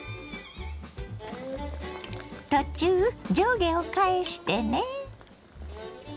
途中上下を返してね。